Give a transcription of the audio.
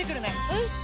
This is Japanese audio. うん！